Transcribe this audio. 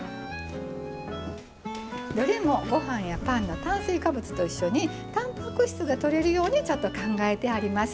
どれもご飯やパンの炭水化物と一緒にたんぱく質がとれるようにちょっと考えてあります。